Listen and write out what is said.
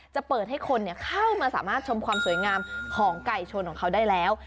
จะเปิดให้คนเข้ามาสามารถชมความสวยงามของไก่ชนของเขาได้แล้ว